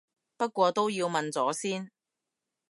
不過都要問咗先